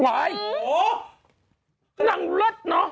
โอ๊ยนางเล็กเนอะ